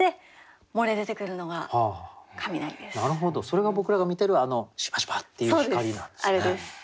それが僕らが見てるあのシュパシュパっていう光なんですね。